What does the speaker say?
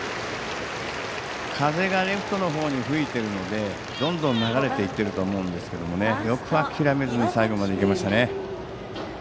風がレフトの方に吹いているのでどんどん流れていっていると思うんですけどよく諦めずに最後までいきましたね。